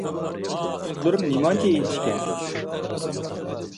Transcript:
پۇتلىرىم نېمانچە ئىنچىكە؟!